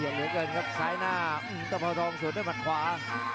ไยด์เหลือเกินครับซ้ายหน้าตำพังหองสวยด้วยมัดขวา